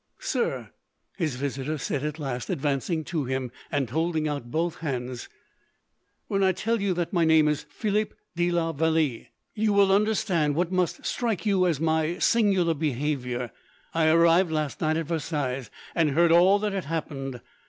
"Sir," his visitor said at last, advancing to him and holding out both hands, "when I tell you that my name is Philip de la Vallee, you will understand what must strike you as my singular behaviour. I arrived last night at Versailles, and heard all that had happened.